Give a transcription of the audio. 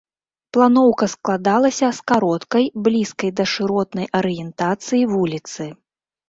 Планоўка складалася з кароткай, блізкай да шыротнай арыентацыі вуліцы.